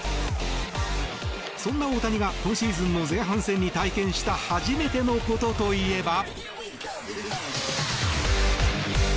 そんな大谷が今シーズンの前半戦に体験した初めてのことといえば。